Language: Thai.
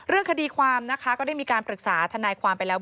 เรื่องคดีความนะคะก็ได้มีการปรึกษาทนายความไปแล้ว